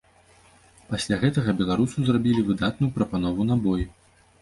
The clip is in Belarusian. Пасля гэтага беларусу зрабілі выдатную прапанову на бой.